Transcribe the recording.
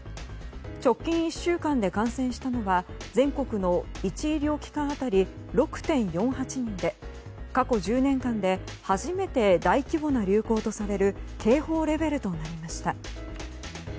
直近１週間で感染したのは全国の１医療機関当たり６．４８人で過去１０年間で初めて大規模な流行とされる警報レベルとなりました。